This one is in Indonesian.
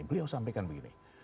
beliau sampaikan begini